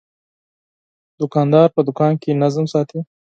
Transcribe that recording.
دوکاندار په دوکان کې نظم ساتي.